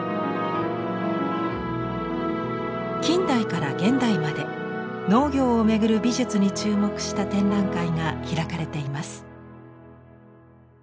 近代から現代まで農業を巡る美術に注目した展覧会が開かれています。